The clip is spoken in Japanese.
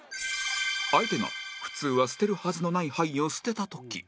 相手が普通は捨てるはずのない牌を捨てた時